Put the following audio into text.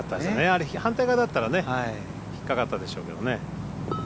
あれ反対側だったら引っかかったでしょうけどね。